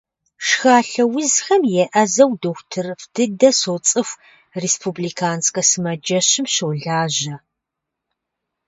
Шхалъэ узхэм еӏэзэу дохутырыфӏ дыдэ соцӏыху, республиканскэ сымаджэщым щолажьэ.